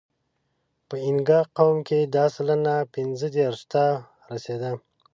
په اینګا قوم کې دا سلنه پینځهدېرشو ته رسېده.